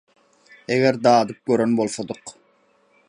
Eger dadyp gören bolsadyk